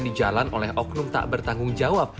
di jalan oleh oknum tak bertanggung jawab